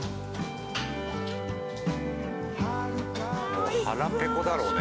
もう腹ペコだろうね